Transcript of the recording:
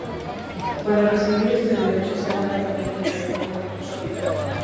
Para recibir este derecho se ha de haber entregado un capital.